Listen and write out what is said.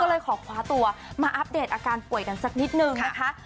ก็เลยขอคว้าตัวมาอัปเดตอาการป่วยกันสักนิดนึงนะคะ